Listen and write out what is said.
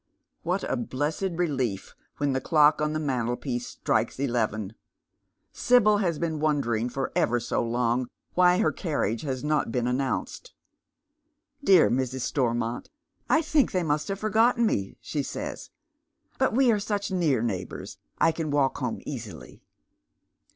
What a blessed relief when the clock on the mantelpiece strikes eleven ! Sibyl has been wondering for ever so long why her carriage has not been announced. "Dear Mrs. Stormont, I think they must have forgotten me," she says. " But we are such near neighbours, I can walk home easily."